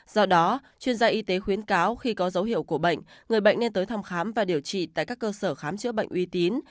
do đó chuyên gia y tế khuyến cáo khi có dấu hiệu của bệnh người bệnh nên tới thăm khám và điều trị tại các cơ sở khám chữa bệnh uy tín